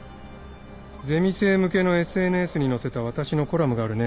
ゼミ生向けのＳＮＳに載せた私のコラムがあるね。